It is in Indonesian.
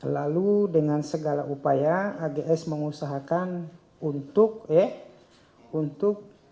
lalu dengan segala upaya ags mengusahakan untuk